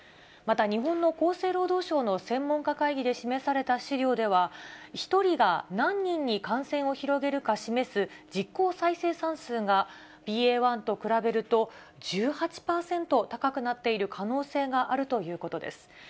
また日本の厚生労働省の専門家会議で示された資料では、１人が何人に感染を広げるか示す実効再生産数が、ＢＡ．１と比べると１８％高くなっている可能性があるということです。